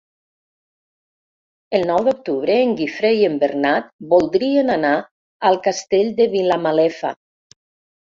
El nou d'octubre en Guifré i en Bernat voldrien anar al Castell de Vilamalefa.